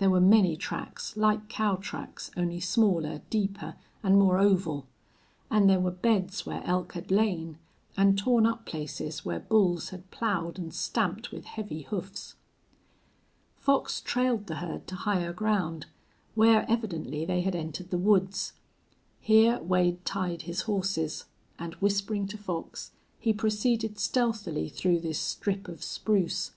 There were many tracks, like cow tracks, only smaller, deeper, and more oval; and there were beds where elk had lain, and torn up places where bulls had plowed and stamped with heavy hoofs. Fox trailed the herd to higher ground, where evidently they had entered the woods. Here Wade tied his horses, and, whispering to Fox, he proceeded stealthily through this strip of spruce.